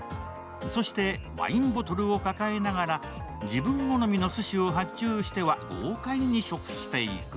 そして、ワインボトルを抱えながら自分好みのすしを発注しては豪快に食していく。